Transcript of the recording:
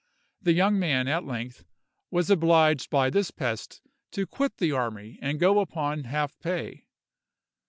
The young man, at length, was obliged by this pest to quit the army and go upon half pay.